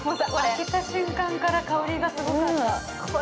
開けた瞬間から香りがすごかった。